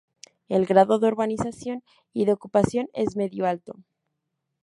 El grado de urbanización y de ocupación es medio-alto.